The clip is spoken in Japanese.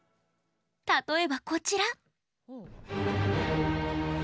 例えば、こちら。